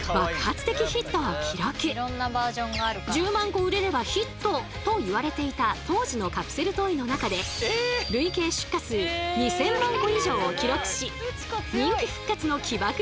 １０万個売れればヒットといわれていた当時のカプセルトイの中で累計出荷数２，０００万個以上を記録し人気復活の起爆剤に。